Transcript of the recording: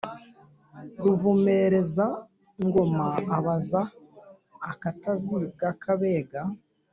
ruvumereza-ngoma abaza akatazibwa k’abega